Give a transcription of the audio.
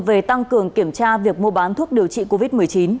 về tăng cường kiểm tra việc mua bán thuốc điều trị covid một mươi chín